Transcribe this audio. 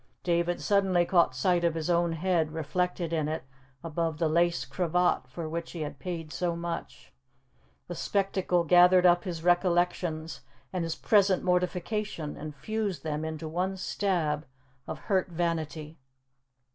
David suddenly caught sight of his own head reflected in it above the lace cravat for which he had paid so much; the spectacle gathered up his recollections and his present mortification, and fused them into one stab of hurt vanity.